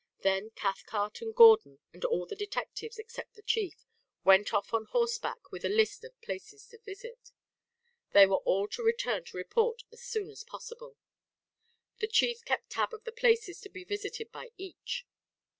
Then Cathcart and Gordon and all the detectives, except the chief, went off on horseback with a list of places to visit. They were all to return to report as soon as possible. The chief kept tab of the places to be visited by each.